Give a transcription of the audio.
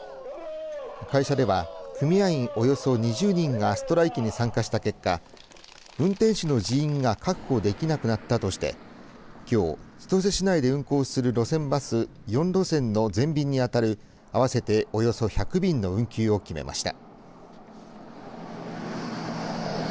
会社では組合員およそ２０人がストライキに参加した結果運転手の人員が確保できなくなったとしてきょう千歳市内で運行する路線バス４路線の全便に当たる合わせておよそ１００便の運休を決めました。